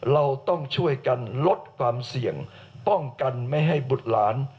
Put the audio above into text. เราต้องช่วยกันลดความเสี่ยงป้องกันไม่ให้บุตรหลาน